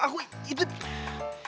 aku ini chandra